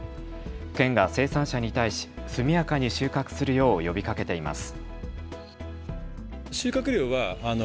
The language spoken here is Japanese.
県が生産者に対し速やかに収穫するよう呼びかけています。